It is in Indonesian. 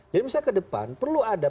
jadi misalnya ke depan perlu ada